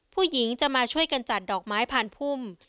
ผู้หญิงจะมาช่วยกันจัดดอกไม้พานพุ่ม